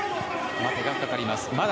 待てがかかります。